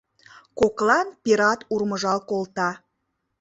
— Коклан пират урмыжал колта.